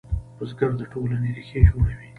بزګر د ټولنې ریښې جوړوي